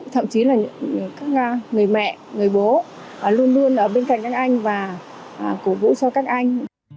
thậm chí là các người mẹ người bố luôn luôn ở bên cạnh các anh và cổ vũ cho các anh